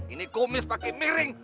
ini kumis pake miring